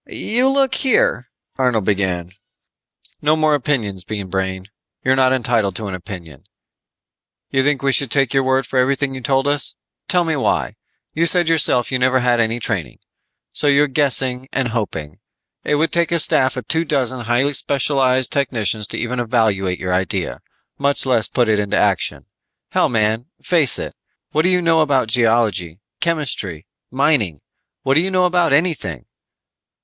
"You look here " Arnold began. "No more opinions, Bean Brain. You're not entitled to an opinion. You think we should take your word for everything you told us? Tell me why. You said yourself you never had any training. So you're guessing and hoping. It would take a staff of two dozen highly specialized technicians to even evaluate your idea, much less put it into action. Hell, man, face it. What do you know about geology, chemistry, mining? What do you know about anything?"